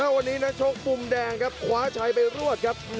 วันนี้นักชกมุมแดงครับคว้าชัยไปรวดครับ